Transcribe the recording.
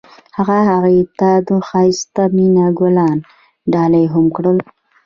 هغه هغې ته د ښایسته مینه ګلان ډالۍ هم کړل.